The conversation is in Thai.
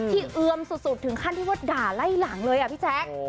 เอือมสุดถึงขั้นที่ว่าด่าไล่หลังเลยอ่ะพี่แจ๊ค